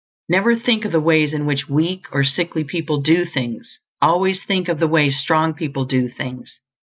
Never think of the ways in which weak or sickly people do things; always think of the way strong people do things.